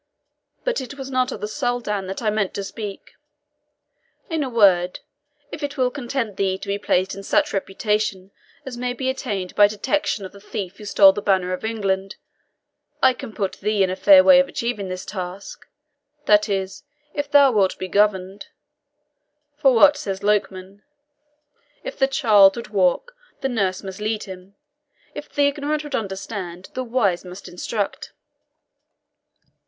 But it was not of the Soldan that I meant to speak. In a word, if it will content thee to be placed in such reputation as may be attained by detection of the thief who stole the Banner of England, I can put thee in a fair way of achieving this task that is, if thou wilt be governed; for what says Lokman, 'If the child would walk, the nurse must lead him; if the ignorant would understand, the wise must instruct.'"